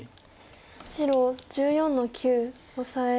白１４の九オサエ。